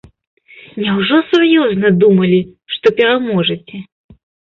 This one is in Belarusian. Няўжо сур'ёзна думалі, што пераможаце?